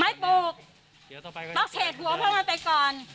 ไม่ปลูกต้องเฉดหัวพวกมันไปก่อน